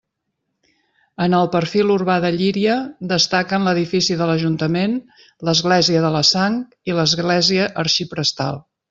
En el perfil urbà de Llíria destaquen l'edifici de l'ajuntament, l'església de la Sang i l'església Arxiprestal.